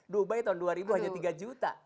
dubai tahun dua ribu hanya tiga juta